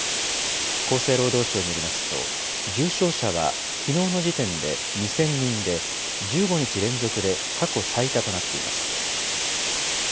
厚生労働省によりますと、重症者はきのうの時点で２０００人で、１５日連続で過去最多となっています。